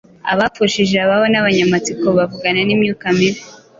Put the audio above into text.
abapfushije ababo n’abanyamatsiko bavugana n’imyuka mibi.